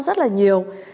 rất là nhiều